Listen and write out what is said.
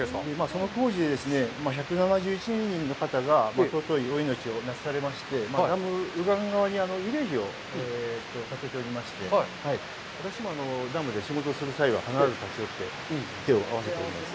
その当時で１７１人の方がとうとい命をなくされまして、慰霊碑をたてておりまして、私もダムで仕事をする際は必ず立ち寄って手を合わせております。